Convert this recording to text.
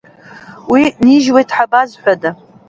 Уи нижьуеит ҳәа базҳәада?